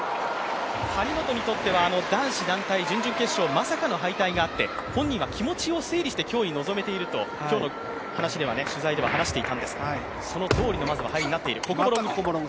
張本にとっては、男子団体準々決勝まさかの敗退があって本人は気持ちを整理して、今日に臨めていると今日の取材では話していたんですがそのとおりの入りになっている。